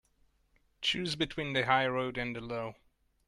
Choose between the high road and the low.